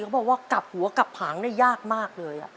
เขาบอกว่ากลับหัวกลับผางได้ยากมากเลย